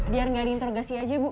biar gak diinterogasi aja bu